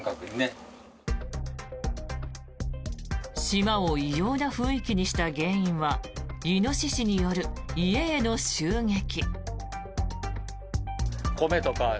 島を異様な雰囲気にした原因はイノシシによる家への襲撃。